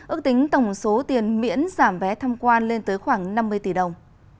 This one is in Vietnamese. ước tính tổng số tiền miễn giảm vé tham quan lên tới khoảng năm mươi tỷ đồng